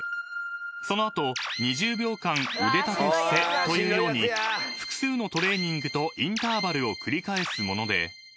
その後２０秒間腕立て伏せというように複数のトレーニングとインターバルを繰り返すもので］